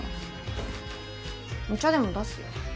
お茶でも出すよ。